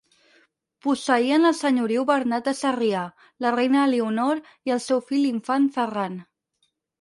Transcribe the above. Posseïen el senyoriu Bernat de Sarrià, la reina Elionor i el seu fill l'infant Ferran.